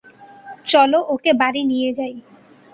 চলো ওকে বাড়ি নিয়ে যাই।